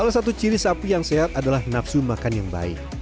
salah satu ciri sapi yang sehat adalah nafsu makan yang baik